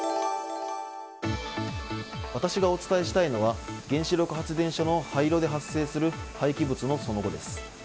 私がお伝えしたいのは原子力発電所の廃炉で発生する廃棄物のその後です。